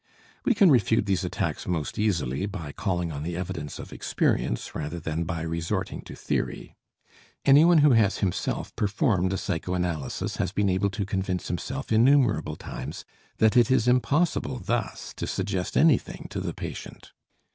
We can refute these attacks most easily by calling on the evidence of experience rather than by resorting to theory. Anyone who has himself performed a psychoanalysis has been able to convince himself innumerable times that it is impossible thus to suggest anything to the patient.